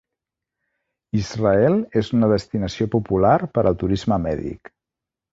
Israel és una destinació popular per al turisme mèdic.